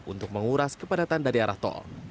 untuk menguras kepadatan dari arah tol